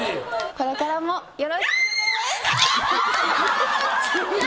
これからもよろしくね！